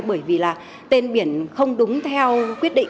bởi vì là tên biển không đúng theo quyết định